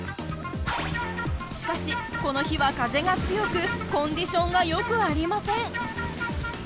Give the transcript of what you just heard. しかしこの日は風が強くコンディションがよくありません。